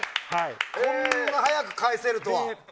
こんな早く、返せるとは。